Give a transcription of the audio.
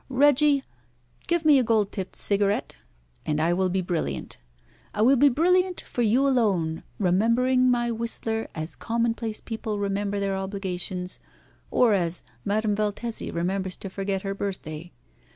Reggie, give me a gold tipped cigarette, and I will be brilliant. I will be brilliant for you alone, remembering my Whistler as commonplace people remember their obligations, or as Madame Valtesi remembers to forget her birthday.